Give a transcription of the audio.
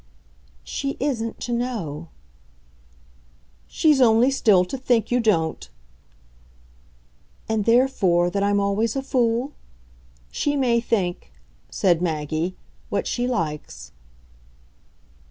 "She isn't to know." "She's only still to think you don't ?" "And therefore that I'm always a fool? She may think," said Maggie, "what she likes."